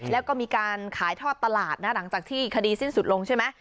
แล้วก็มีการขายทอดตลาดนะหลังจากที่คดีสิ้นสุดลงใช่ไหม